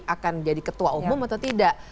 akan jadi ketua umum atau tidak